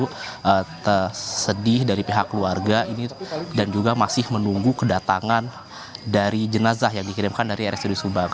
dan saya juga sedih dari pihak keluarga dan juga masih menunggu kedatangan dari jenazah yang dikirimkan dari rsud subang